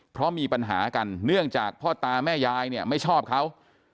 เพราะมีปัญหากันเนื่องจากพ่อตาแม่ยายเนี่ยไม่ชอบเขา